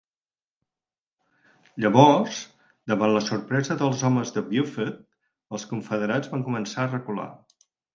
Llavors, davant la sorpresa dels homes de Buford, els Confederats van començar a recular.